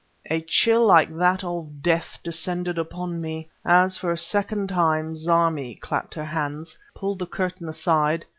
A chill like that of death descended upon me as, for the second time, Zarmi clapped her hands, pulled the curtain aside